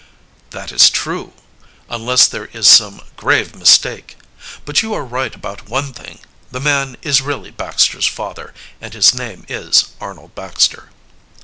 "That is true unless there is some grave mistake. But you are right about one thing, the man is really Baxter's father, and his name is Arnold Baxter."